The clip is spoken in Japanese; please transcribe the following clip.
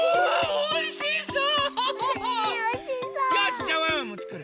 おいしそう！